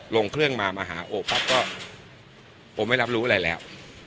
ลงเครื่องมามาหาโอปั๊บก็โอไม่รับรู้อะไรแล้ว